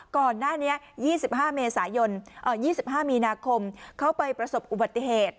ก่อนหน้านี้๒๕มีนาคมเข้าไปประสบอุบัติเหตุ